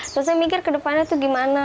terus saya mikir ke depannya itu gimana